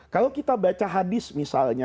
kalau kita baca hadis misalnya